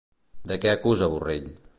De què acusa Borrell?